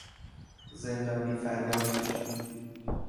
زندانی فریاد کشید.